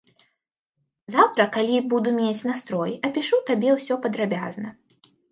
Заўтра, калі буду мець настрой, апішу табе ўсё падрабязна.